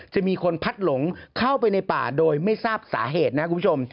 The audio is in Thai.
จะมีคนพัดหลงเข้าไปในป่าโดยไม่ทราบสาเหตุนะคุณผู้ชม